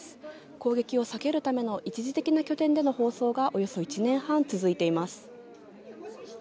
攻撃を避けるための一時的な拠点での放送がおよそ１年半続いています。